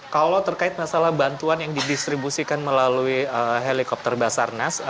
kalau terkait masalah bantuan yang didistribusikan melalui helikopter basarnas